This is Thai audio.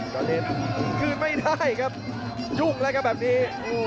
ยอดเดชน์คืนไม่ได้ครับยุ่งเลยครับแบบนี้